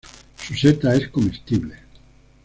Su seta es comestible.